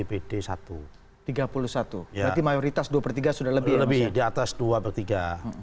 berarti mayoritas dua per tiga sudah lebih ya